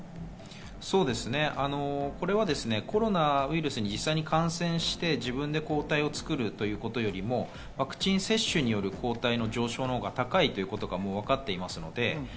実際にコロナウイルスに感染して自分で抗体を作るということより、ワクチン接種による抗体の上昇のほうが多いということがわかっています。